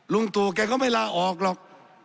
ลุงตู่แกก็ไม่ลาออกหรอก